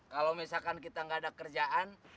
kalo misalkan kita gak ada kerjaan